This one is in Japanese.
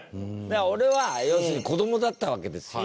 俺は要するに子どもだったわけですよ。